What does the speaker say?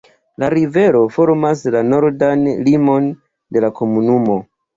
La rivero formas la nordan limon de la komunumo.